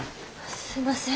すいません